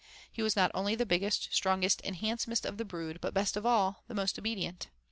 He was not only the biggest, strongest, and handsomest of the brood, but best of all, the most obedient.